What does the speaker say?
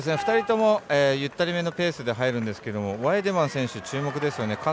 ２人とも、ゆったりめのペースで入るんですけどワイデマン選手、注目ですよね。